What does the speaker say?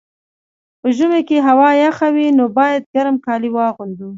په ژمي کي هوا یخه وي، نو باید ګرم کالي واغوندو.